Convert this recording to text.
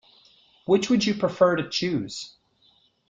Which would you prefer to choose?